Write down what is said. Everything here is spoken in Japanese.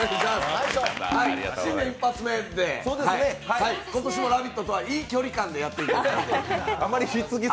新年１発目で、今年も「ラヴィット！」とはいい距離感でやっていきたいと思います。